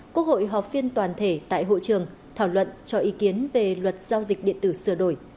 quốc hội họp phiên toàn thể tại hội trường thảo luận cho ý kiến về luật giao dịch điện tử sửa đổi